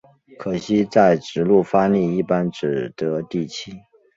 可惜在直路发力一般只得第七。